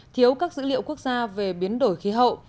thiếu các dữ liệu quốc gia về biến đổi khí hậu